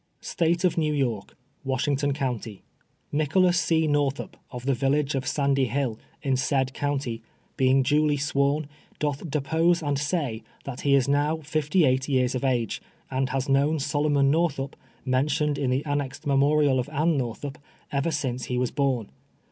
State of New York : AYashington CVjiaity, ss Nicholas C. Northiip, of the village of Sandy Hill, in said county, being duly sworn, floth dv'])Ose and say, that he is now lilly eight years of age, and has known Solomon Northup, men tioned in the annexed memorial of A;:ii Northup, ever since he was born.